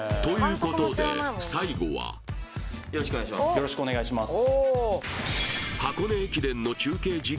よろしくお願いします